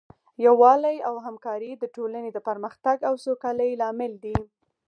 یووالی او همکاري د ټولنې د پرمختګ او سوکالۍ لامل دی.